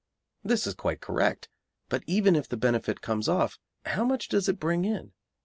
This is quite correct, but even if the benefit comes off how much does it bring in?